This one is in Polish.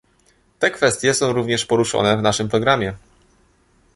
Te kwestie są również poruszone w naszym programie